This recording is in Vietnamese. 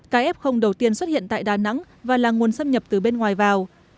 cái f đầu tiên xuất hiện tại đà nẵng và là nguồn xâm nhập từ bên ngoài vào